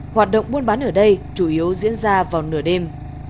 hoạt động buôn bán ở đây chủ yếu diễn ra vào nửa đêm